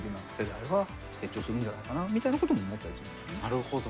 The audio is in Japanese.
なるほど。